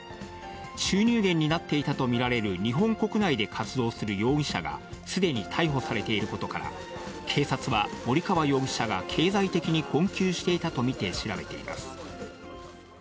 収入源になっていたと見られる日本国内で活動する容疑者がすでに逮捕されていることから、警察は、森川容疑者が経済的に困窮していたと見て調べています。